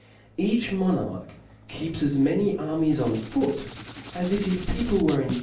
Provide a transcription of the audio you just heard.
Each monarch keeps as many armies on foot, .asif his people were in.